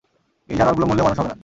এই জানোয়ারগুলো মরলেও মানুষ হবে না!